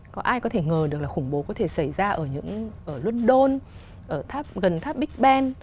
có ai có thể ngờ được là khủng bố có thể xảy ra ở những ở london gần tháp big ben